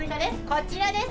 こちらです。